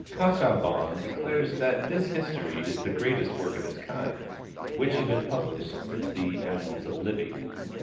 Casaubon declares that this history is the greatest work of its kind which had been published since the Annals of Livy.